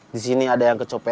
di sini ada yang kecope